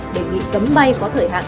để bị cấm bay có thời hạn